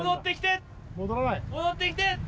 戻ってきて！